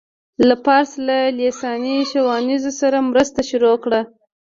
له فارس له لېساني شاونيزم سره مرسته شروع کړه.